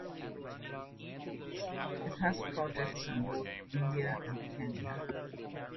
It has projects in both India and Kenya.